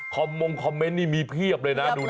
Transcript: มงคอมเมนต์นี่มีเพียบเลยนะดูนะ